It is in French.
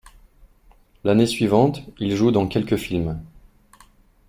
L'année suivante, il joue dans quelques films.